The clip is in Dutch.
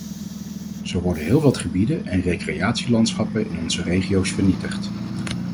Zo worden heel wat gebieden en recreatielandschappen in onze regio's vernietigd.